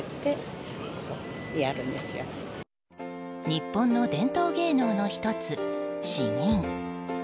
日本の伝統芸能の１つ、詩吟。